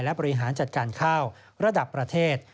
และบริหารจัดการข้าวระดับประเทศ